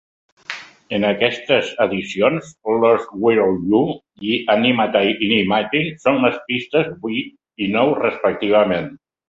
En aquestes edicions, "Lost Without You" i "Animate-Inanimate" són les pistes vuit i nou respectivament.